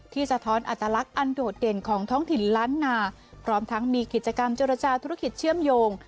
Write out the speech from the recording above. สะท้อนอัตลักษณ์อันโดดเด่นของท้องถิ่นล้านนาพร้อมทั้งมีกิจกรรมเจรจาธุรกิจเชื่อมโยง